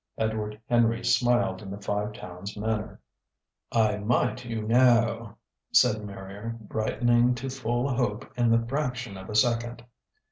Edward Henry smiled in the Five Towns' manner. "I might, you knaoo!" said Marrier, brightening to full hope in the fraction of a second.